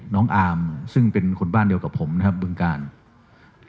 อามซึ่งเป็นคนบ้านเดียวกับผมนะครับบึงกาล